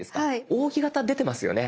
扇形出てますよね？